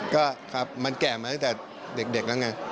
ก็กสแถวเหมือนเดิร์ฟนะ